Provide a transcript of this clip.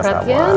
kamu tuh keras ya